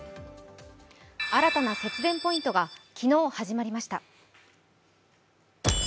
新たな節電ポイントが昨日始まりました。